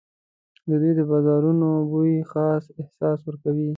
د دوی د بازارونو بوی خاص احساس ورکوي.